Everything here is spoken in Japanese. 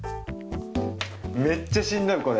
めっちゃしんどいこれ。